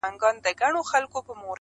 تور قسمت په تا آرام نه دی لیدلی -